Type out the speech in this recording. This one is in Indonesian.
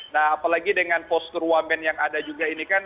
nah apalagi dengan postur wamen yang ada juga ini kan